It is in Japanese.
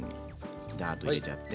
ダーッと入れちゃって。